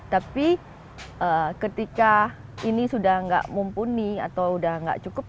tapi ketika ini sudah tidak mumpuni atau sudah tidak cukup